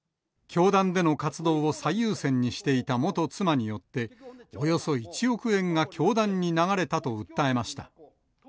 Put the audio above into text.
教団での活動を最優先にしていた元妻によって、およそ１億円が教団に流れたと訴えました。